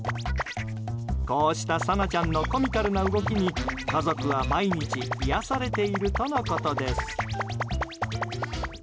こうしたサナちゃんのコミカルな動きに家族は毎日癒やされているとのことです。